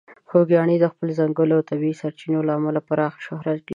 خوږیاڼي د خپلې ځنګلونو او د طبیعي سرچینو له امله پراخه شهرت لري.